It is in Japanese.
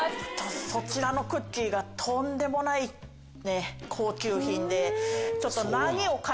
そちらのクッキーがとんでもない高級品でちょっと。